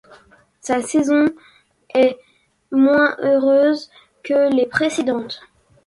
Sa saison est moins heureuse que les précédentes.